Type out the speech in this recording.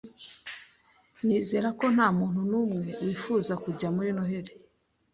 Nizera ko nta muntu n’umwe wifuza kujya muri Noheli